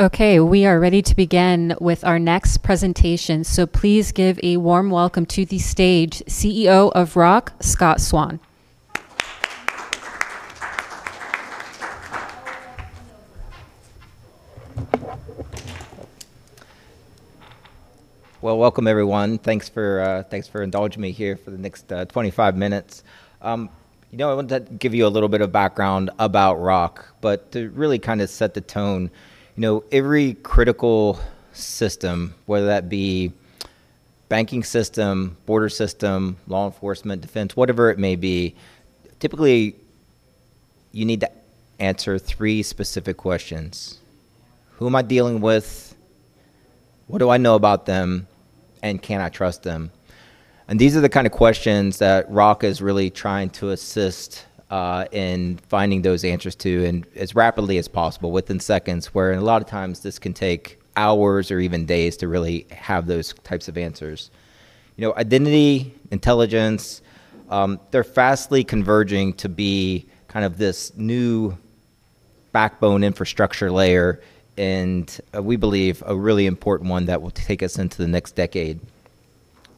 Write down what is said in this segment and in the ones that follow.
Okay, we are ready to begin with our next presentation, so please give a warm welcome to the stage, CEO of ROC, Scott Swann. Well, welcome everyone. Thanks for thanks for indulging me here for the next 25 minutes. you know, I wanted to give you a little bit of background about ROC, but to really kind of set the tone. You know, every critical system, whether that be banking system, border system, law enforcement, defense, whatever it may be, typically, you need to answer three specific questions. Who am I dealing with? What do I know about them? Can I trust them? these are the kind of questions that ROC is really trying to assist in finding those answers to, and as rapidly as possible, within seconds, where a lot of times this can take hours or even days to really have those types of answers. You know, identity, intelligence, they're fastly converging to be kind of this new backbone infrastructure layer, and we believe a really important one that will take us into the next decade.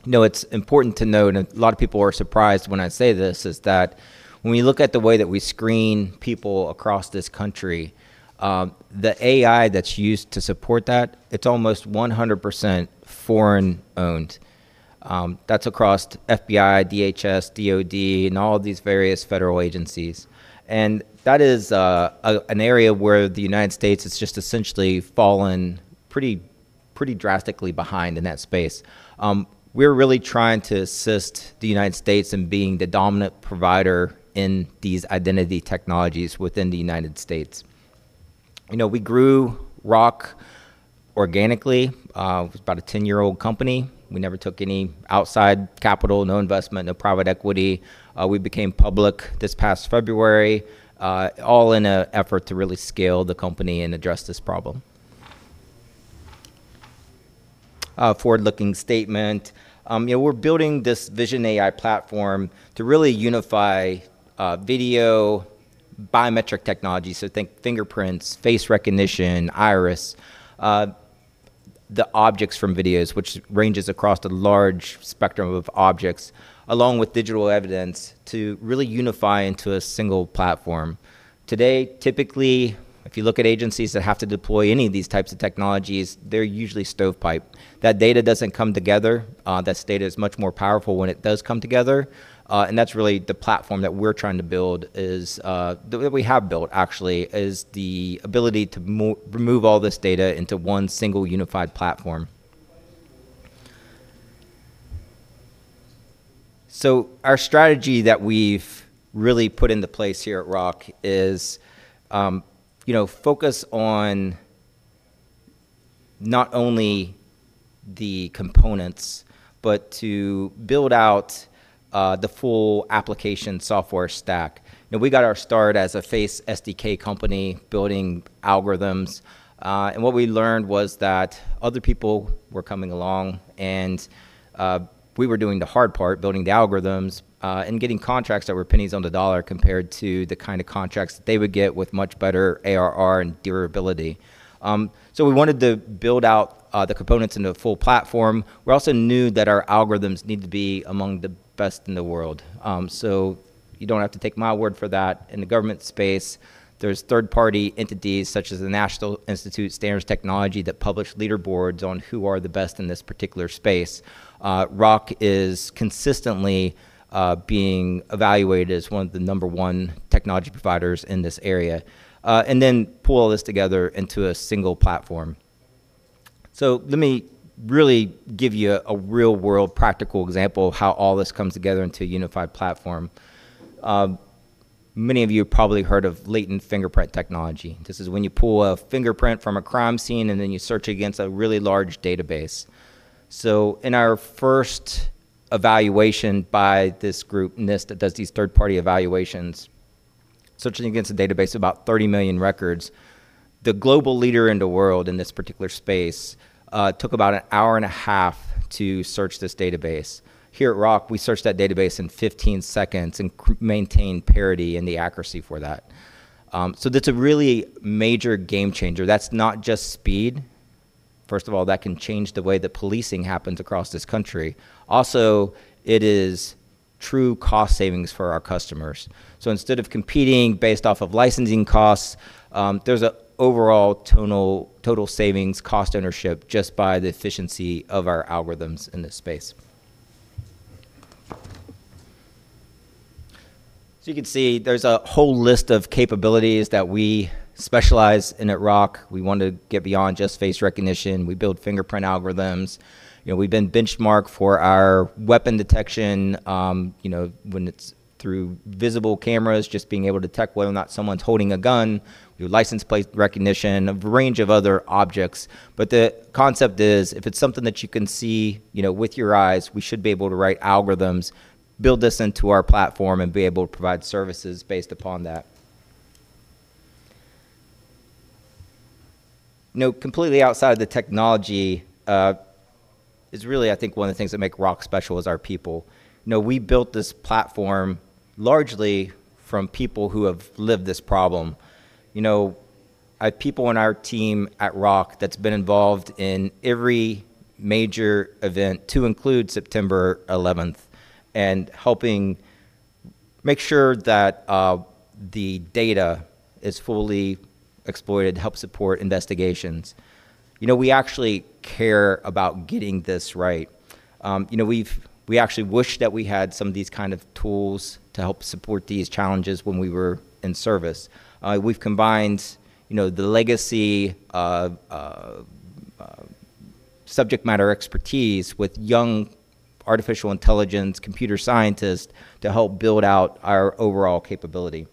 You know, it's important to note, and a lot of people are surprised when I say this, is that when we look at the way that we screen people across this country, the AI that's used to support that, it's almost 100% foreign owned. That's across FBI, DHS, DOD, and all of these various federal agencies. That is an area where the United States has just essentially fallen pretty drastically behind in that space. We're really trying to assist the United States in being the dominant provider in these identity technologies within the United States. You know, we grew ROC organically. It's about a 10-year-old company. We never took any outside capital, no investment, no private equity. We became public this past February, all in a effort to really scale the company and address this problem. A forward-looking statement. You know, we're building this Vision AI platform to really unify, video, biometric technology, so think fingerprints, face recognition, iris, the objects from videos, which ranges across a large spectrum of objects, along with digital evidence to really unify into a single platform. Today, typically, if you look at agencies that have to deploy any of these types of technologies, they're usually stovepipe. That data doesn't come together. That data is much more powerful when it does come together. That's really the platform that we're trying to build is that we have built actually, is the ability to remove all this data into one single unified platform. Our strategy that we've really put into place here at ROC is, you know, focus on not only the components, but to build out the full application software stack. You know, we got our start as a face SDK company building algorithms. What we learned was that other people were coming along and we were doing the hard part, building the algorithms, and getting contracts that were pennies on the dollar compared to the kind of contracts they would get with much better ARR and durability. We wanted to build out the components into a full platform. We also knew that our algorithms need to be among the best in the world. You don't have to take my word for that. In the government space, there's third-party entities such as the National Institute of Standards and Technology that publish leaderboards on who are the best in this particular space. ROC is consistently being evaluated as one of the number one technology providers in this area. And then pool all this together into a single platform. Let me really give you a real-world practical example of how all this comes together into a unified platform. Many of you have probably heard of latent fingerprint technology. This is when you pull a fingerprint from a crime scene, and then you search against a really large database. In our first evaluation by this group, NIST, that does these third-party evaluations, searching against a database of about 30 million records, the global leader in the world in this particular space, took about an hour and a half to search this database. Here at ROC, we searched that database in 15 seconds and maintain parity and the accuracy for that. That's a really major game changer. That's not just speed. First of all, that can change the way that policing happens across this country. It is true cost savings for our customers. Instead of competing based off of licensing costs, there's an overall total savings cost ownership just by the efficiency of our algorithms in this space. You can see there's a whole list of capabilities that we specialize in at ROC. We want to get beyond just face recognition. We build fingerprint algorithms. You know, we've been benchmarked for our weapon detection, you know, when it's through visible cameras, just being able to detect whether or not someone's holding a gun. We do license plate recognition, a range of other objects. The concept is, if it's something that you can see, you know, with your eyes, we should be able to write algorithms, build this into our platform, and be able to provide services based upon that. You know, completely outside the technology, it's really, I think, one of the things that make ROC special is our people. You know, we built this platform largely from people who have lived this problem. You know, I have people on our team at ROC that's been involved in every major event to include September 11th and helping make sure that the data is fully exploited to help support investigations. You know, we actually care about getting this right. You know, we actually wish that we had some of these kind of tools to help support these challenges when we were in service. We've combined, you know, the legacy of subject matter expertise with young artificial intelligence computer scientists to help build out our overall capability.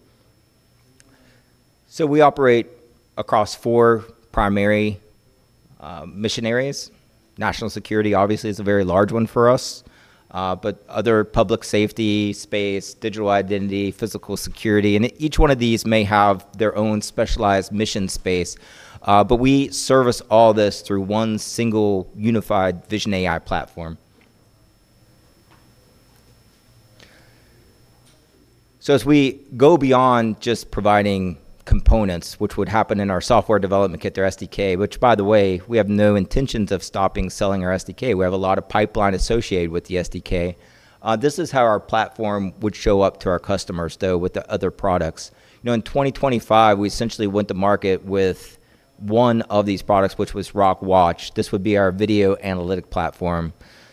We operate across four primary mission areas. National security obviously is a very large one for us, but other public safety space, digital identity, physical security, and each one of these may have their own specialized mission space, but we service all this through one single unified Vision AI platform. As we go beyond just providing components, which would happen in our software development kit or SDK, which by the way, we have no intentions of stopping selling our SDK. We have a lot of pipeline associated with the SDK. This is how our platform would show up to our customers though with the other products. You know, in 2025, we essentially went to market with one of these products, which was ROC Watch. This would be our video analytic platform.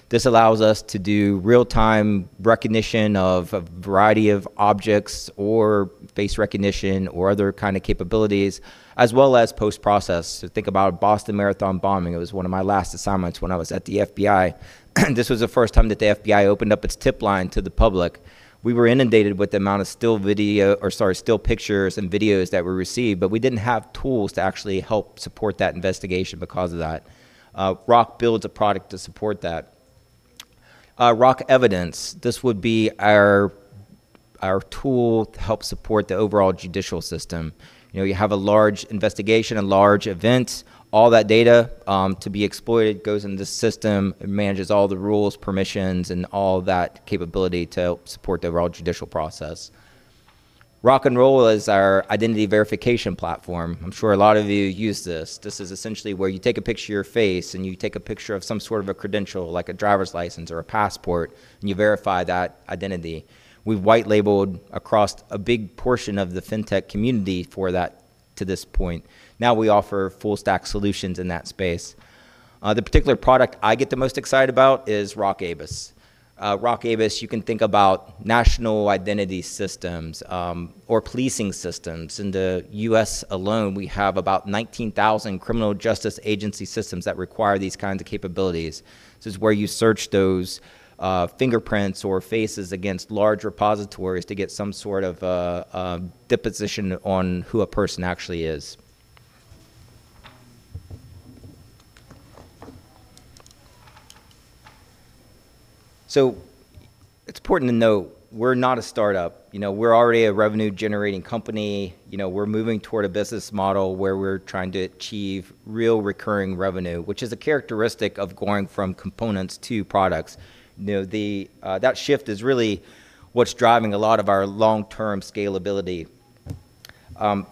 This allows us to do real-time recognition of a variety of objects or face recognition or other kind of capabilities, as well as post-process. Think about Boston Marathon bombing. It was one of my last assignments when I was at the FBI. This was the first time that the FBI opened up its tip line to the public. We were inundated with the amount of still video, still pictures and videos that were received, but we didn't have tools to actually help support that investigation because of that. ROC builds a product to support that. ROC Evidence, this would be our tool to help support the overall judicial system. You know, you have a large investigation and large events. All that data to be exploited goes into the system. It manages all the rules, permissions, and all that capability to help support the overall judicial process. ROC Enroll is our identity verification platform. I'm sure a lot of you use this. This is essentially where you take a picture of your face and you take a picture of some sort of a credential like a driver's license or a passport, and you verify that identity. We've white labeled across a big portion of the fintech community for that to this point. Now we offer full stack solutions in that space. The particular product I get the most excited about is ROC ABIS. ROC ABIS, you can think about national identity systems, or policing systems. In the U.S. alone, we have about 19,000 criminal justice agency systems that require these kinds of capabilities. This is where you search those fingerprints or faces against large repositories to get some sort of deposition on who a person actually is. It's important to note we're not a startup. You know, we're already a revenue-generating company. You know, we're moving toward a business model where we're trying to achieve real recurring revenue, which is a characteristic of going from components to products. You know, the that shift is really what's driving a lot of our long-term scalability. When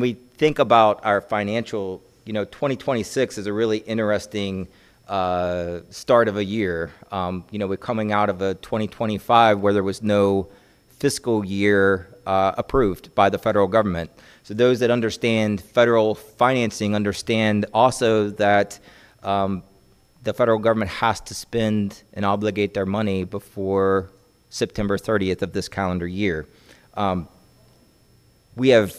we think about our financial, you know, 2026 is a really interesting start of a year. You know, we're coming out of a 2025 where there was no fiscal year approved by the federal government. Those that understand federal financing understand also that the federal government has to spend and obligate their money before September 30th of this calendar year. We have,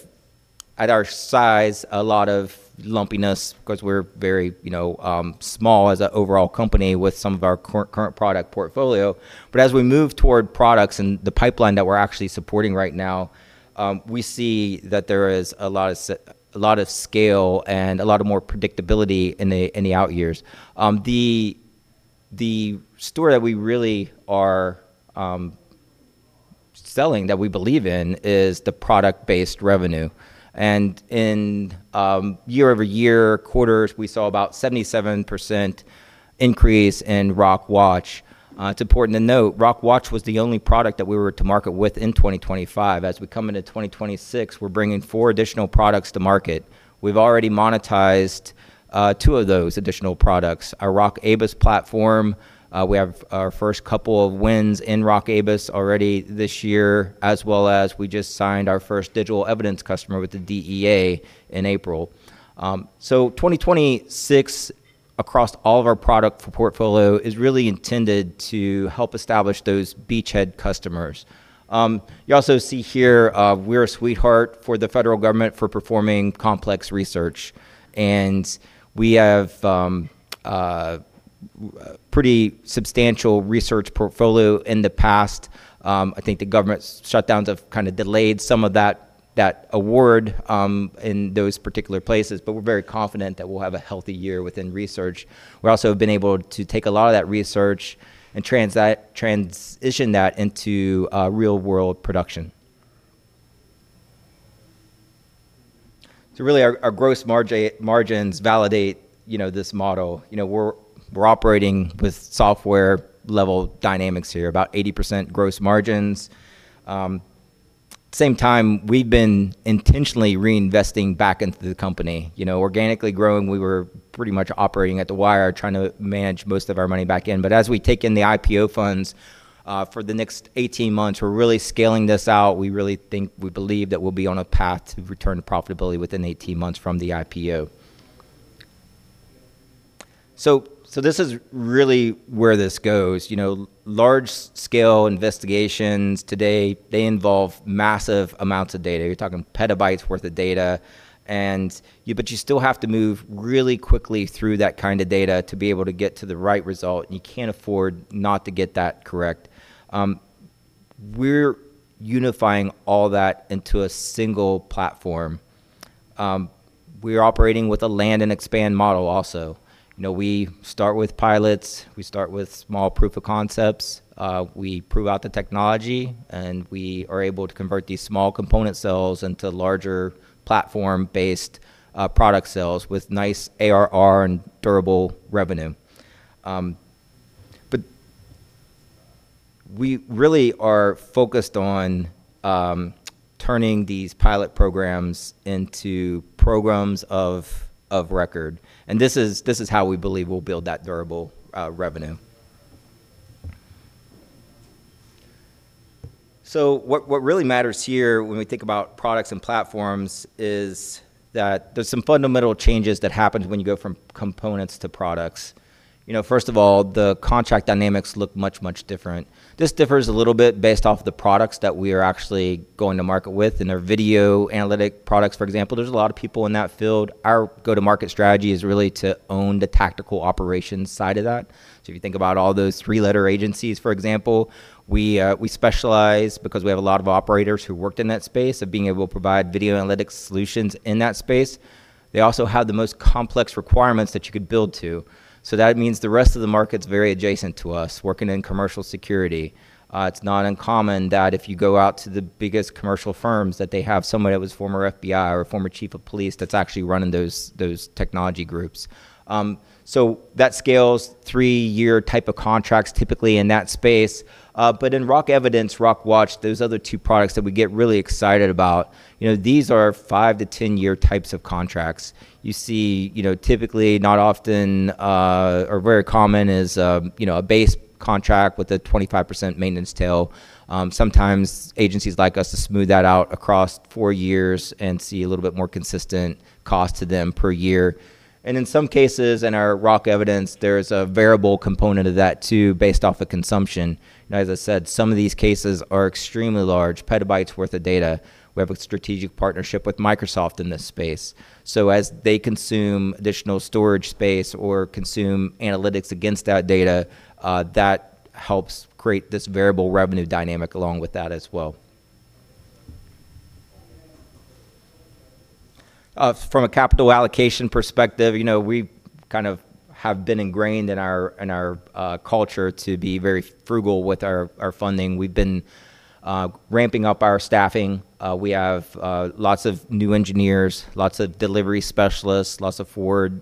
at our size, a lot of lumpiness 'cause we're very, you know, small as a overall company with some of our current product portfolio. As we move toward products and the pipeline that we're actually supporting right now, we see that there is a lot of scale and a lot of more predictability in the, in the out years. The, the story that we really are selling that we believe in is the product-based revenue. In year-over-year quarters, we saw about 77% increase in ROC Watch. It's important to note ROC Watch was the only product that we were to market with in 2025. As we come into 2026, we're bringing four additional products to market. We've already monetized two of those additional products. Our ROC ABIS platform, we have our first couple of wins in ROC ABIS already this year, as well as we just signed our first digital evidence customer with the DEA in April. 2026 across all of our product portfolio is really intended to help establish those beachhead customers. You also see here, we're a sweetheart for the federal government for performing complex research, we have a pretty substantial research portfolio in the past. I think the government shutdowns have kind of delayed some of that award in those particular places, we're very confident that we'll have a healthy year within research. We've also been able to take a lot of that research and transition that into real-world production. Really our gross margins validate, you know, this model. You know, we're operating with software-level dynamics here, about 80% gross margins. Same time, we've been intentionally reinvesting back into the company. You know, organically growing, we were pretty much operating at the wire trying to manage most of our money back in. As we take in the IPO funds, for the next 18 months, we're really scaling this out. We really think, we believe that we'll be on a path to return to profitability within 18 months from the IPO. This is really where this goes. You know, large-scale investigations today, they involve massive amounts of data. You're talking petabytes worth of data, but you still have to move really quickly through that kind of data to be able to get to the right result, and you can't afford not to get that correct. We're unifying all that into a single platform. We're operating with a land and expand model also. You know, we start with pilots, we start with small proof of concepts, we prove out the technology, and we are able to convert these small component sales into larger platform-based product sales with nice ARR and durable revenue. But we really are focused on turning these pilot programs into programs of record. This is how we believe we'll build that durable revenue. What really matters here when we think about products and platforms is that there's some fundamental changes that happen when you go from components to products. You know, first of all, the contract dynamics look much, much different. This differs a little bit based off the products that we are actually going to market with. In our video analytic products, for example, there's a lot of people in that field. Our go-to-market strategy is really to own the tactical operations side of that. If you think about all those three letter agencies, for example, we specialize because we have a lot of operators who worked in that space of being able to provide video analytics solutions in that space. They also have the most complex requirements that you could build to. That means the rest of the market's very adjacent to us working in commercial security. It's not uncommon that if you go out to the biggest commercial firms, that they have somebody that was former FBI or former chief of police that's actually running those technology groups. That scales three year type of contracts typically in that space. In ROC Evidence, ROC Watch, those other two products that we get really excited about, you know, these are five to 10 year types of contracts. You see, you know, typically not often, or very common is, you know, a base contract with a 25% maintenance tail. Sometimes agencies like us to smooth that out across four years and see a little bit more consistent cost to them per year. In some cases, in our ROC Evidence, there's a variable component of that too, based off of consumption. You know, as I said, some of these cases are extremely large, petabytes worth of data. We have a strategic partnership with Microsoft in this space. As they consume additional storage space or consume analytics against that data, that helps create this variable revenue dynamic along with that as well. From a capital allocation perspective, you know, we kind of have been ingrained in our, in our culture to be very frugal with our funding. We've been ramping up our staffing. We have lots of new engineers, lots of delivery specialists, lots of forward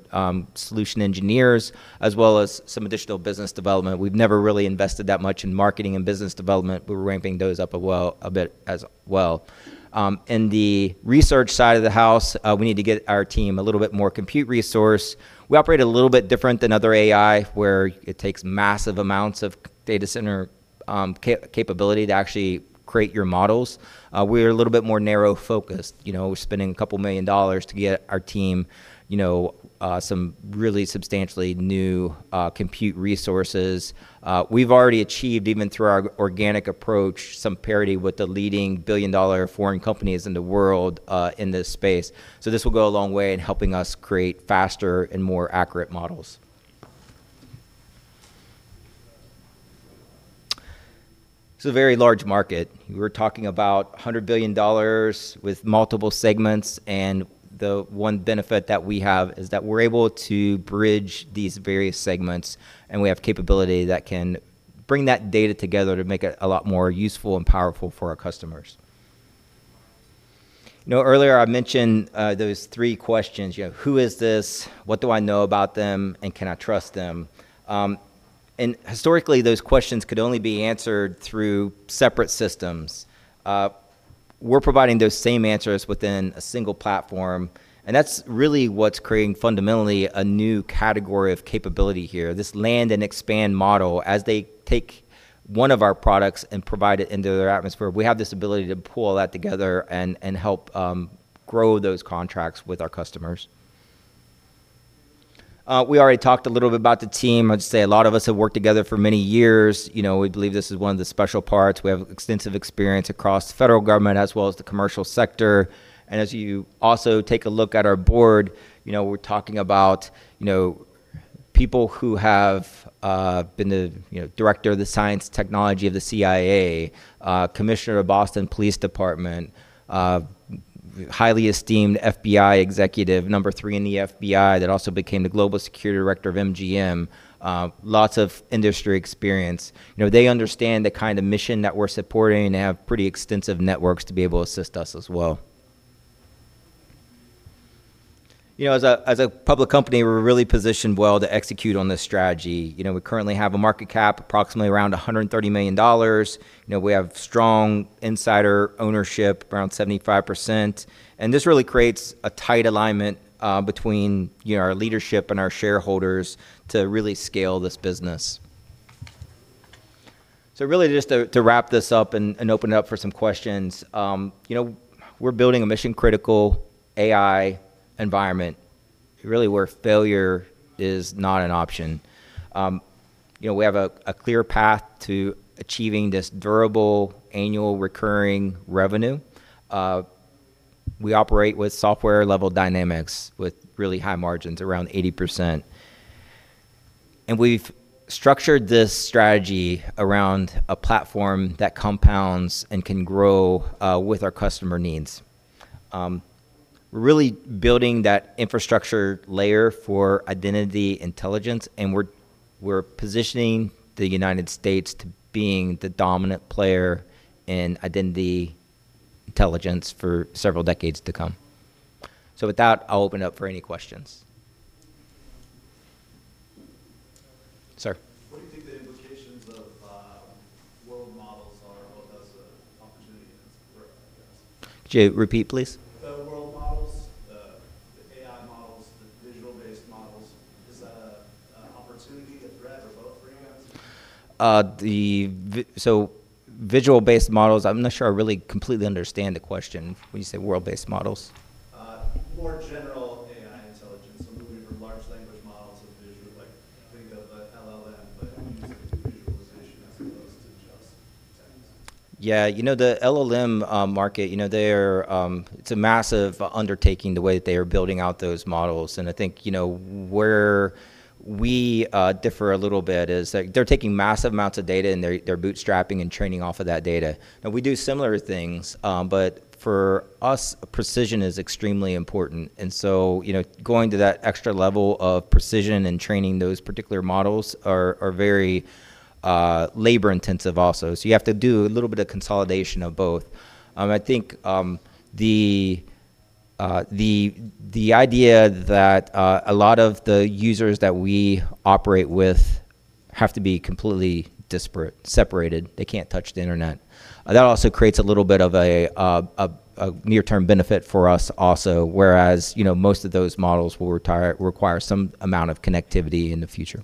solution engineers, as well as some additional business development. We've never really invested that much in marketing and business development, but we're ramping those up a bit as well. In the research side of the house, we need to get our team a little bit more compute resource. We operate a little bit different than other AI, where it takes massive amounts of data center capability to actually create your models. We're a little bit more narrow focused. You know, we're spending $2 million to get our team, you know, some really substantially new compute resources. We've already achieved, even through our organic approach, some parity with the leading billion-dollar foreign companies in the world in this space. This will go a long way in helping us create faster and more accurate models. It's a very large market. We're talking about $100 billion with multiple segments. The one benefit that we have is that we're able to bridge these various segments, and we have capability that can bring that data together to make it a lot more useful and powerful for our customers. You know, earlier I mentioned those three questions. You know, who is this? What do I know about them? Can I trust them? Historically, those questions could only be answered through separate systems. We're providing those same answers within a single platform, and that's really what's creating fundamentally a new category of capability here. This land and expand model, as they take one of our products and provide it into their atmosphere, we have this ability to pull all that together and help grow those contracts with our customers. We already talked a little bit about the team. I'd say a lot of us have worked together for many years. You know, we believe this is one of the special parts. We have extensive experience across federal government as well as the commercial sector. As you also take a look at our board, you know, we're talking about, you know, people who have been the, you know, director of the science technology of the CIA, commissioner of Boston Police Department, highly esteemed FBI executive, number three in the FBI that also became the global security director of MGM. Lots of industry experience. You know, they understand the kind of mission that we're supporting and have pretty extensive networks to be able to assist us as well. You know, as a public company, we're really positioned well to execute on this strategy. You know, we currently have a market cap approximately around $130 million. You know, we have strong insider ownership, around 75%. This really creates a tight alignment between, you know, our leadership and our shareholders to really scale this business. Really just to wrap this up and open it up for some questions, you know, we're building a mission-critical AI environment, really where failure is not an option. You know, we have a clear path to achieving this durable annual recurring revenue. We operate with software-level dynamics with really high margins, around 80%. We've structured this strategy around a platform that compounds and can grow with our customer needs. Really building that infrastructure layer for identity intelligence, and we're positioning the United States to being the dominant player in identity intelligence for several decades to come. With that, I'll open up for any questions. Sir. What do you think the implications of world models are, both as a opportunity and a threat, I guess? Could you repeat, please? The world models, the AI models, the visual-based models. Is that a opportunity, a threat, or both for you guys? Visual-based models, I'm not sure I really completely understand the question when you say world-based models. More general AI intelligence, so moving from large language models to visual, like think of a LLM, but using visualization as opposed to just text. Yeah, you know, the LLM market, you know, they're it's a massive undertaking the way that they are building out those models. I think, you know, where we differ a little bit is, like, they're taking massive amounts of data, and they're bootstrapping and training off of that data. We do similar things, but for us, precision is extremely important, and so, you know, going to that extra level of precision and training those particular models are very labor-intensive also. You have to do a little bit of consolidation of both. I think the idea that a lot of the users that we operate with have to be completely disparate, separated, they can't touch the internet, that also creates a little bit of a near-term benefit for us also, whereas, you know, most of those models will require some amount of connectivity in the future.